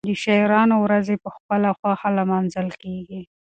د شاعرانو ورځې په خپله خوښه لمانځل کېږي.